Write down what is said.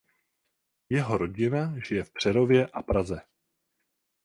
Jeho rodina žije v Přerově a Praze.